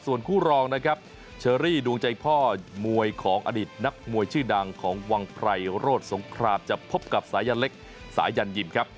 ส่วนคู่รองนะครับเชอรี่ดวงใจพ่อมวยของอดีตนักมวยชื่อดังของวังไพรโรธสงครามจะพบกับสายันเล็กสายันยิมครับ